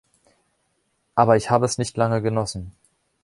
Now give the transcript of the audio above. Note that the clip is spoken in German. Aber ich habe es nicht lange genossen.